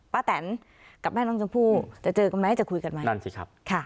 แตนกับแม่น้องชมพู่จะเจอกันไหมจะคุยกันไหมนั่นสิครับค่ะ